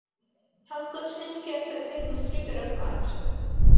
ہم کچھ نہیں کہہ سکتے دوسری طرف آج